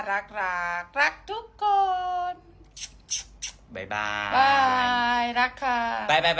รักรักทุกคน